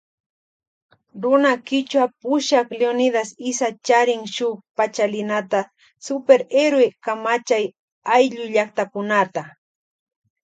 Runa kichwa pushak Leonidas Iza charin shuk pachalinata Super Héroe kamachay ayllu llaktakunata.